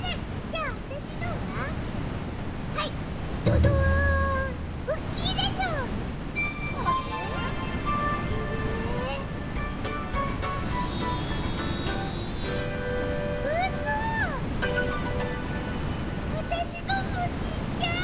あたしのもちっちゃい！